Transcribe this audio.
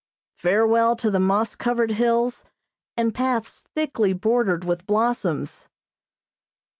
Farewell to the moss covered hills and paths thickly bordered with blossoms.